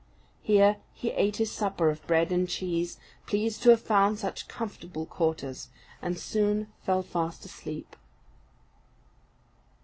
Here he ate his supper of bread and cheese, pleased to have found such comfortable quarters, and soon fell fast asleep.